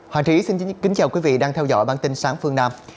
hoàng trí xin kính chào quý vị đang theo dõi bản tin sáng phương nam